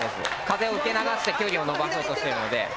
風を受け流して距離をのばそうとしてるので。